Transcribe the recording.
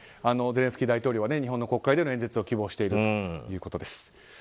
ゼレンスキー大統領は日本の国会での演説を希望しているということです。